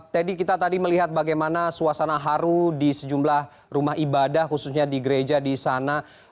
teddy kita tadi melihat bagaimana suasana haru di sejumlah rumah ibadah khususnya di gereja di sana